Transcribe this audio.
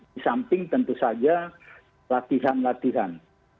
di samping tentu saja latihan latihan